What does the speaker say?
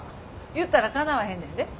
言ったらかなわへんねんで。